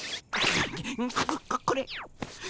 ここれ。